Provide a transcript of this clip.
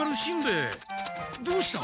ヱどうした？